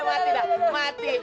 udah mati dah mati